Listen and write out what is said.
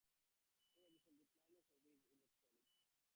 In addition the planet's orbit is eccentric.